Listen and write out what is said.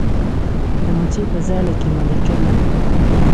د مچۍ په ځاله کې ملکه وي